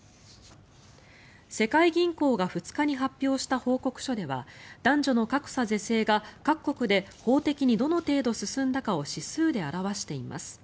世界銀行が２日に発表した報告書では男女の格差是正が各国で法的にどの程度進んだかを指数で表しています。